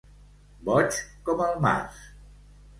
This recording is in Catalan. Boig com el març.